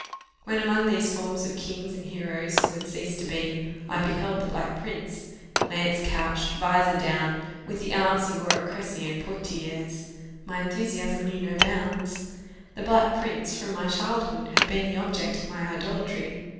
When among these forms of kings and heroes who had ceased to be, I beheld the Black Prince, lance couched, vizor down, with the arms he wore at Cressy and Poictiers, my enthusiasm knew no bounds. The Black Prince, from my childhood, had been the object of my idolatry.